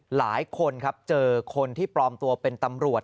หลายคนครับเจอคนที่ปลอมตัวเป็นตำรวจ